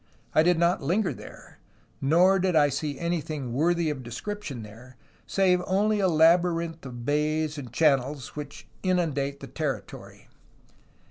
I did not linger there, nor did I see anything worthy of description there, save only a labyrinth of bays and 228 A HISTORY OF CALIFORNIA channels which inundate the territory.